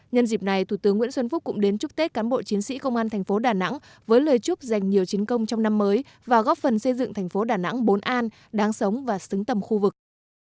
nhân dịp này thủ tướng nguyễn xuân phúc cũng đến chúc tết cán bộ chiến sĩ công an thành phố đà nẵng với lời chúc dành nhiều chiến công trong năm mới và góp phần xây dựng thành phố đà nẵng bốn an đáng sống và xứng tầm khu vực